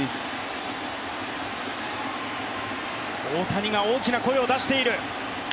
大谷が大きな声を出している。